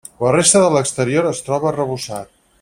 La resta de l'exterior es troba arrebossat.